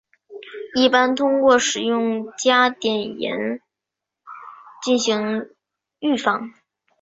一般通过使用加碘盐进行预防。